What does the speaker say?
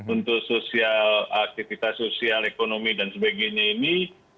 untuk sosial aktivitas sosial ekonomi dan sebagainya ini